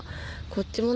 こっちも。